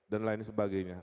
dan lain sebagainya